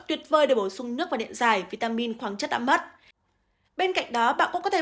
để vơi để bổ sung nước và điện giải vitamin khoáng chất đã mất bên cạnh đó bạn cũng có thể